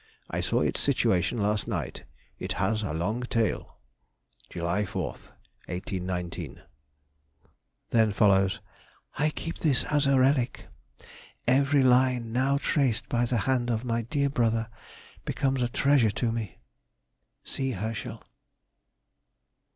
I saw its situation last night—it has a long tail." July 4th, 1819. Then follows:— "I keep this as a relic! Every line now traced by the hand of my dear brother becomes a treasure to me. "C. HERSCHEL."